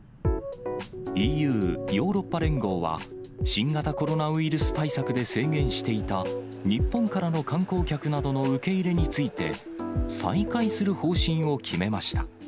ＥＵ・ヨーロッパ連合は、新型コロナウイルス対策で制限していた、日本からの観光客などの受け入れについて、再開する方針を決めました。